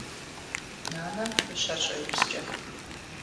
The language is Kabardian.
Нанэ гущэр щӏеупскӏэ.